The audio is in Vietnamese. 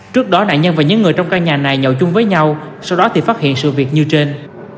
trước đó nạn nhân và những người trong căn nhà này nhậu chung với nhau sau đó thì phát hiện sự việc như trên